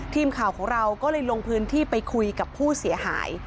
ทีมข่าวของเราก็เลยลงพื้นที่ไปคุยกับผู้เสียหาย